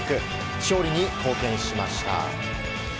勝利に貢献しました。